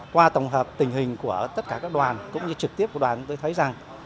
qua tổng hợp tình hình của tất cả các đoàn cũng như trực tiếp của đoàn chúng tôi thấy rằng